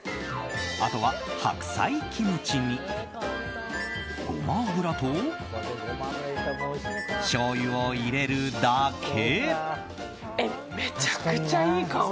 あとは白菜キムチにゴマ油としょうゆを入れるだけ。